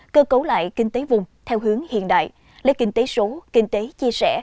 cơ cấu lại kinh tế vùng theo hướng hiện đại lấy kinh tế số kinh tế chia sẻ